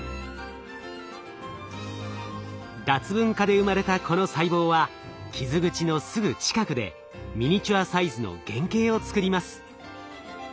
脱分化で生まれたこの細胞は傷口のすぐ近くでミニチュアサイズの原形を作ります。